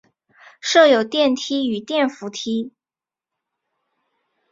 设有电梯与电扶梯。